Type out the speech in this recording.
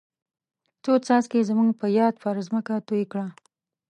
څو څاڅکي زموږ په یاد پر ځمکه توی کړه.